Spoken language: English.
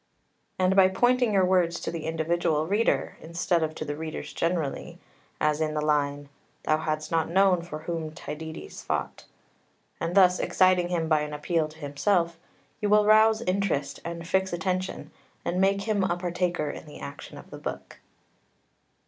] 3 And by pointing your words to the individual reader, instead of to the readers generally, as in the line "Thou had'st not known for whom Tydides fought," and thus exciting him by an appeal to himself, you will rouse interest, and fix attention, and make him a partaker in the action of the book.